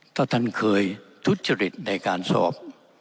ถ้าท่านเคยทุจริตในการสอบ